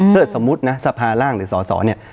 เพื่อสมมุตินะสภาร่างหรือสอเนี่ย